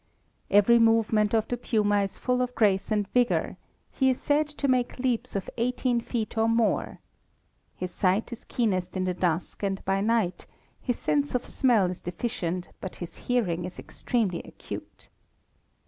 Every movement of the puma is full of grace and vigor; he is said to make leaps of eighteen feet or more. His sight is keenest in the dusk and by night; his sense of smell is deficient but his hearing is extremely acute.